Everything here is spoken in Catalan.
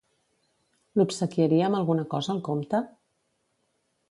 L'obsequiaria amb alguna cosa el comte?